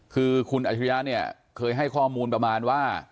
คือคุณอัจฉริยะเนี่ยเคยให้ข้อมูลประมาณว่า